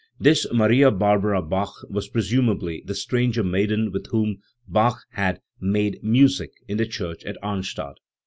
This Maria Barbara Bach was presumably the "stranger maiden" with whom Bach had "made music" in the church at Arnstadt.